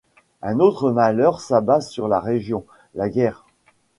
Un autre malheur s’abat sur la région, la guerre.